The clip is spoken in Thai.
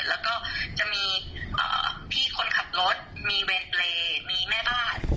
แล้วก็จะมีพี่คนขับรถมีเด็กแม่บ้าน